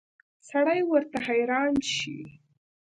سړی ورته حیران شي.